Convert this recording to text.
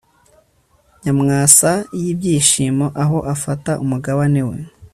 nyamwasa y'ibyishimo aho afata umugabane we